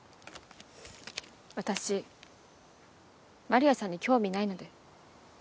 私丸谷さんに興味ないので。